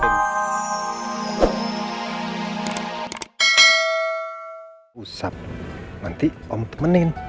nanti om temenin